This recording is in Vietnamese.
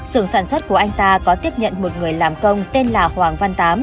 sưởng sản xuất của anh ta có tiếp nhận một người làm công tên là hoàng văn tám